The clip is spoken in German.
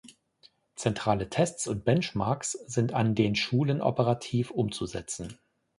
Zentrale Tests und Benchmarks sind an den Schulen operativ umzusetzen.